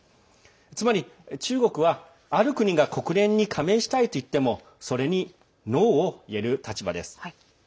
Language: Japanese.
つまり、中国は、ある国が国連に加盟したいと言ってもそれにノーを言える立場です。